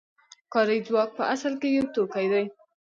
کاري ځواک په اصل کې یو توکی دی